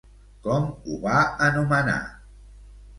Com ho va anomenar?